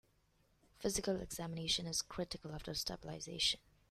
Physical examination is critical after stabilization.